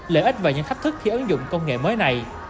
lợi ích và những thách thức khi ứng dụng công nghệ mới này